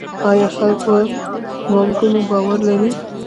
آیا خلک په بانکونو باور لري؟